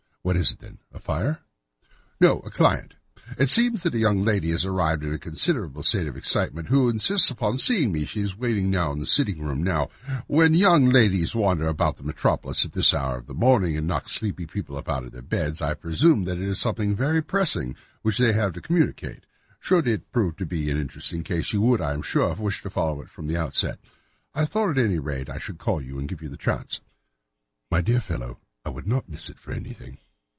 "What is it, then—a fire?" "No; a client. It seems that a young lady has arrived in a considerable state of excitement, who insists upon seeing me. She is waiting now in the sitting room. Now, when young ladies wander about the metropolis at this hour of the morning, and knock sleepy people up out of their beds, I presume that it is something very pressing which they have to communicate. Should it prove to be an interesting case, you would, I am sure, wish to follow it from the outset. I thought, at any rate, that I should call you and give you the chance." "My dear fellow, I would not miss it for anything."